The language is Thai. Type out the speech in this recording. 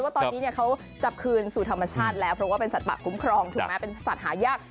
ว่าตอนนี้เขาจับคืนสู่ธรรมชาติแล้วเพราะว่าเป็นสัตว์คุ้มครองถูกไหมเป็นสัตว์หายาก